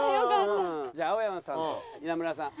じゃあ青山さんと稲村さん。